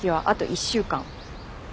１週間？